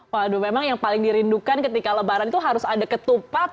waduh memang yang paling dirindukan ketika lebaran itu harus ada ketupat